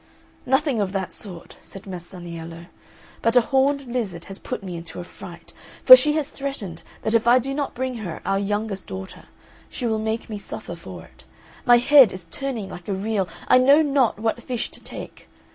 "Nothing of that sort," said Masaniello, "but a horned lizard has put me into a fright, for she has threatened that if I do not bring her our youngest daughter, she will make me suffer for it. My head is turning like a reel. I know not what fish to take.